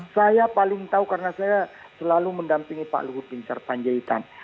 saya paling tahu karena saya selalu mendampingi pak luhut bin sarpanjaitan